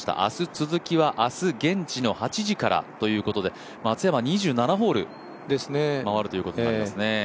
続きは明日現地の８時からということで松山は２７ホール回るということになりますね。